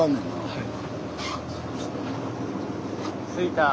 はい。